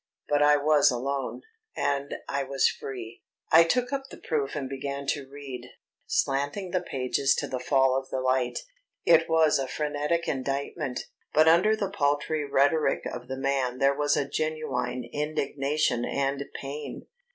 But I was alone, and I was free. I took up the proof and began to read, slanting the page to the fall of the light. It was a phrenetic indictment, but under the paltry rhetoric of the man there was genuine indignation and pain.